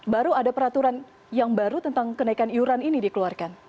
baru ada peraturan yang baru tentang kenaikan iuran ini dikeluarkan